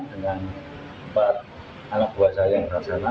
dengan empat anak buah saya yang berasal di sana